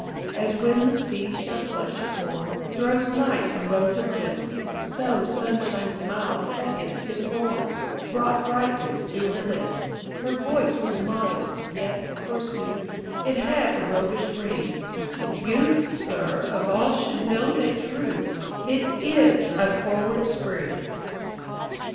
As when the sea shell flush of morn Throws night in rose eclipse, So sunshine smiles, that instant born, Brought brightness to her lips; Her voice was modest, yet, forsooth, It had a roguish ring; "You, sir, of all should know that truth It is a forward spring!"